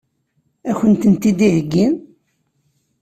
Ad kent-tent-id-iheggi?